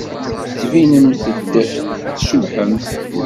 Tettbinemt-d tcebḥemt.